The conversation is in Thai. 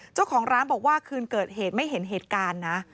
เจ้าของร้านบอกว่าคืนเกิดเหตุไม่เห็นเหตุการณ์นะ